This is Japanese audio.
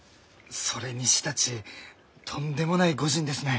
それにしたちとんでもない御仁ですね。